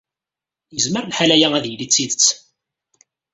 Yezmer lḥal aya ad yili d tidet.